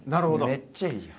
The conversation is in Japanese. めっちゃいいやん。